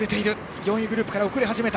４位グループから遅れ始めた。